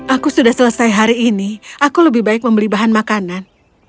aku sudah selesai hari ini aku lebih baik membeli bahan makanan